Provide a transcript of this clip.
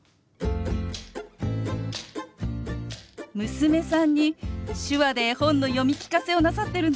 娘さんに手話で絵本の読み聞かせをなさってるんですね。